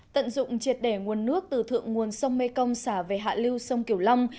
tận dụng triệt để nguồn nước từ thượng nguồn sông mê công xả về hạ lưu sông kiểu long